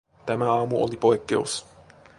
Tämä aamu oli poikkeus.